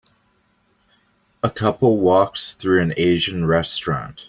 A couple walks through an Asian restaurant.